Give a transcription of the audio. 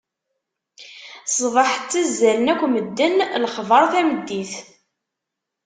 Sebeḥ ttazalen akk medden, lexbaṛ tameddit.